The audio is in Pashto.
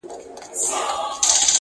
ویل قیامت یې ویل محشر یې!.